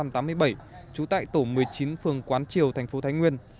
trú tại tổ một mươi chín phường quán triều thành phố thái nguyên